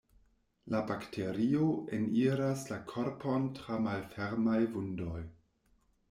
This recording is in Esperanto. La bakterio eniras la korpon tra malfermaj vundoj.